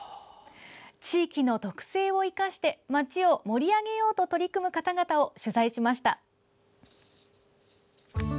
地域の特性を生かして町を盛り上げようと取り組む方々を取材しました。